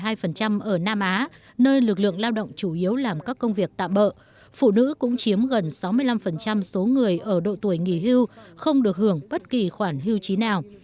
nhiều người ở phố samaritano diện tích khẩu hàng có tareth chữ giấy giấy phổ biến để phụ nữ được trả lương song cũng chiếm gần sáu mươi năm số người ở độ tuổi nghỉ hưu không được hưởng bất kỳ khoản hưu trí nào